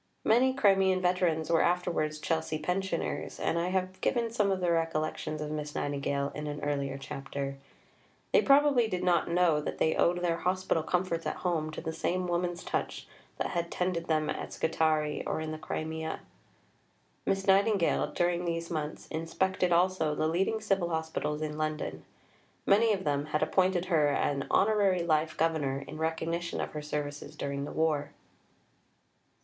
Many Crimean veterans were afterwards Chelsea pensioners, and I have given some of their recollections of Miss Nightingale in an earlier chapter. They probably did not know that they owed their hospital comforts at home to the same woman's touch that had tended them at Scutari or in the Crimea. Miss Nightingale, during these months, inspected also the leading Civil Hospitals in London. Many of them had appointed her an Honorary Life Governor in recognition of her services during the war.